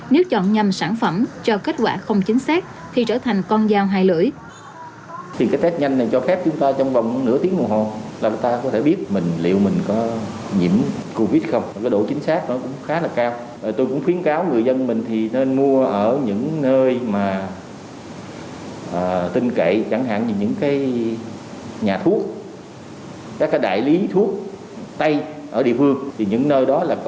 nếu chọn nhầm sản phẩm cho kết quả không chính xác thì trở thành con dao hai lưỡi